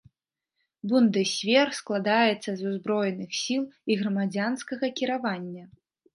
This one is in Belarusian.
Бундэсвер складаецца з узброеных сіл і грамадзянскага кіравання.